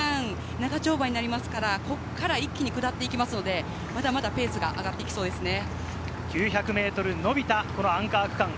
長丁場になりますから、ここから一気に下っていきますので、まだまだペースが上がっていきそうですね。